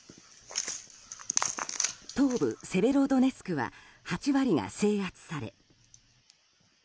東部セベロドネツクは８割が制圧され。